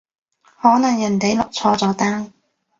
可能人哋落錯咗單